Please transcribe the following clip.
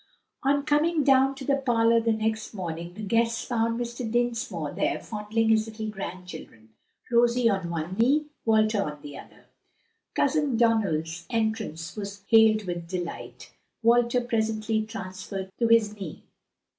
On coming down to the parlor the next morning the guests found Mr. Dinsmore there fondling his little grandchildren Rosie on one knee, Walter on the other. Cousin Donald's entrance was hailed with delight, Walter presently transferred to his knee.